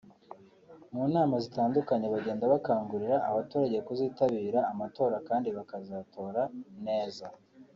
mu nama zitandukanye bagenda bakangurira abaturage kuzitabira amatora kandi bakazatora neza